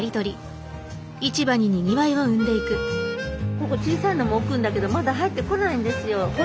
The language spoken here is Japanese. ここ小さいのも置くんだけどまだ入ってこないんですよ。